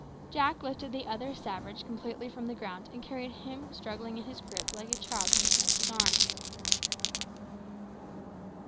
Jack lifted the other savage completely from the ground, and carried him in struggling in his gripe like a child in its nurse's arms.